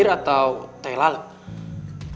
kanan terserah itu